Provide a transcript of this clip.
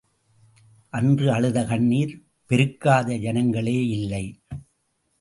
அன்று அழுது கண்ணீர் பெருக்காத ஜனங்களேயில்லை.